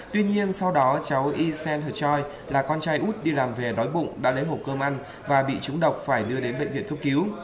tuy nhiên sau đó cháu y sen he choy là con trai út đi làm về đói bụng đã lấy hộp cơm ăn và bị trúng độc phải đưa đến bệnh viện cấp cứu